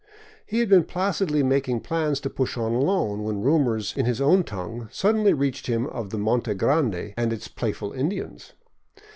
He had been placidly making plans to push on alone, when rumors in his own tongue sud denly reached him of the Monte Grande and its playful Indians.